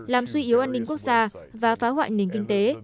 làm suy yếu an ninh quốc gia và phá hoại nền kinh tế